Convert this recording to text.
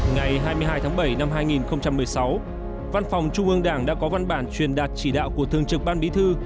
ngày hai mươi hai tháng bảy năm hai nghìn một mươi sáu văn phòng trung ương đảng đã có văn bản truyền đạt chỉ đạo của thương trực ban bí thư